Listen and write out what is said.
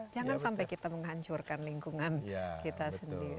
jangan sampai kita menghancurkan lingkungan kita sendiri